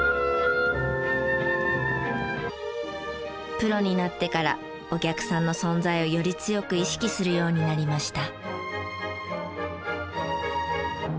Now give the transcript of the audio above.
プロになってからお客さんの存在をより強く意識するようになりました。